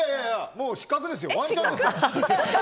もう失格ですよ。